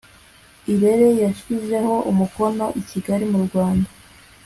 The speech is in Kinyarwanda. iirere yashyiriweho umukono i kigali mu rwanda